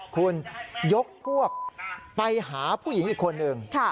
คุณยกพวกไปหาผู้หญิงอีกคนหนึ่ง